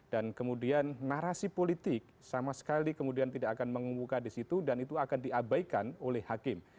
dan kemudian narasi politik sama sekali kemudian tidak akan membuka disitu dan itu akan diabaikan oleh hakim